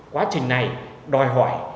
quá trình này đòi hỏi